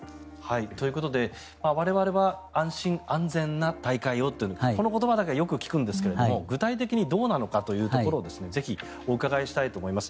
ということで我々は安心安全な大会をというこの言葉はよく聞くんですが具体的にはどうなのかぜひお伺いしたいと思います。